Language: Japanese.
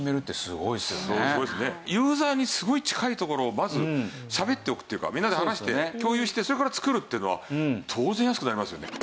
ユーザーにすごい近いところをまず喋っておくっていうかみんなで話して共有してそれから作るっていうのは当然安くなりますよね。